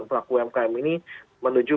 pelaku umkm ini menuju